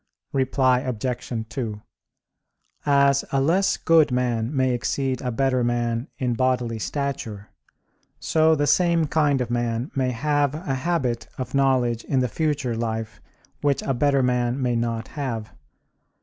Reply Obj. 2: As a less good man may exceed a better man in bodily stature, so the same kind of man may have a habit of knowledge in the future life which a better man may not have.